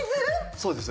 そうです。